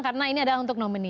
karena ini adalah untuk nomini